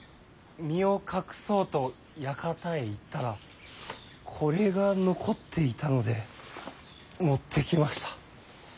身を隠そうと館へ行ったらこれが残っていたので持ってきました。